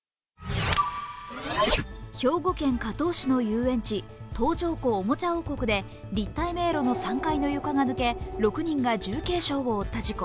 兵庫県加東市の遊園地、東条湖おもちゃ王国で立体迷路の３階の床が抜け６人が重軽傷を負った事故。